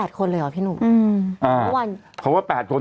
แปดคนเลยหรอพี่หนูอ่าเขาว่าแปดคน